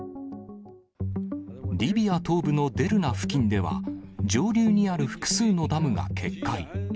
リビア東部のデルナ付近では、上流にある複数のダムが決壊。